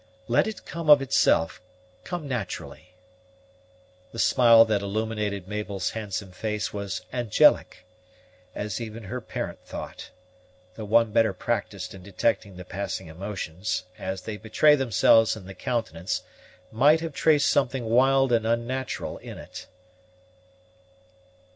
Let it come of itself, come naturally." The smile that illuminated Mabel's handsome face was angelic, as even her parent thought, though one better practised in detecting the passing emotions, as they betray themselves in the countenance, might have traced something wild and unnatural in it.